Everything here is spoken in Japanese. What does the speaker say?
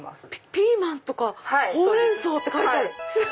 「ピーマン」とか「ほうれん草」って書いてある！